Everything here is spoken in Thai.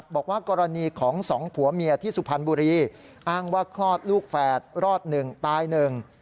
บอกว่ากรณีของสองผัวเมียที่สุพรรณบุรีอ้างว่าคลอดลูกแฝดรอดหนึ่งตายหนึ่ง